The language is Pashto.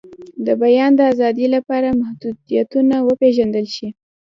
د بیان د آزادۍ لپاره محدودیتونه وپیژندل شي.